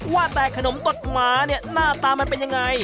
ว่าแต่ขนมตดหมาเนี่ยหน้าตามันเป็นยังไง